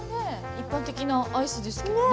一般的なアイスですけどね。